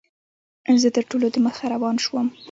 زه تر ټولو دمخه روان شوم.